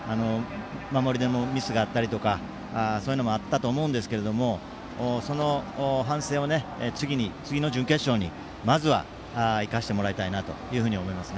守りでもミスがあったりとかそういうのもあったと思うんですけどその反省を次の準決勝にまずは生かしてもらいたいなと思います。